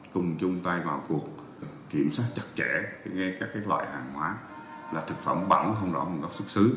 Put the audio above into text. cùng chung tay vào cuộc kiểm soát chặt chẽ các loại hàng hóa là thực phẩm bẩn không rõ nguồn gốc xuất xứ